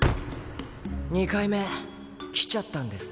２回目来ちゃったんですね。